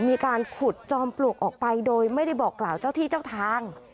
มีการขุดจอมปลวกออกไปโดยไม่ได้บอกกล่าวเจ้าที่เจ้าทาง